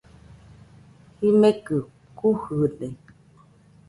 Jimekɨ kujɨde.